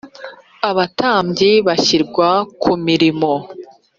abatambyi bashyirwa ku mirimo